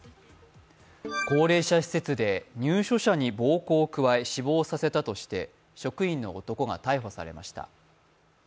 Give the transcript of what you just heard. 高齢者施設で入所者に暴行を加え死亡させたとして職員の男が逮捕されました。